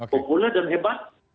populer dan hebat